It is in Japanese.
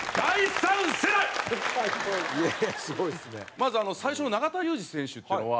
まず最初の永田裕志選手っていうのは。